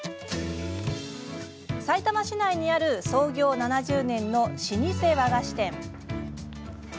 さいたま市内にある創業７０年の老舗和菓子店。